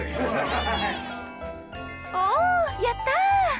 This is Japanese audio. おやった！